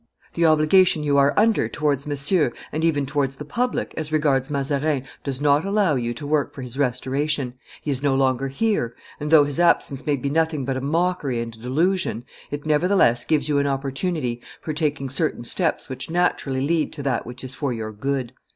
The obligation you are under towards Monsieur, and even towards the public, as regards Mazarin, does not allow you to work for his restoration; he is no longer here, and, though his absence may be nothing but a mockery and a delusion, it nevertheless gives you an opportunity for taking certain steps which naturally lead to that which is for your good."